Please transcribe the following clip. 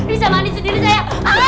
bisa mandi sendiri saya